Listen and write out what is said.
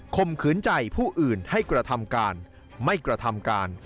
มขืนใจผู้อื่นให้กระทำการไม่กระทำการ